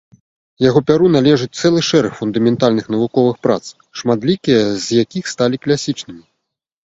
Яго пяру належыць цэлы шэраг фундаментальных навуковых прац, шматлікія з якіх сталі класічнымі.